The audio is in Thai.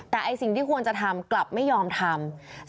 แต่สิ่งที่ควรจะทำกลับไม่ยอมทำ